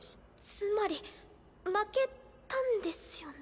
つまり負けたんですよね？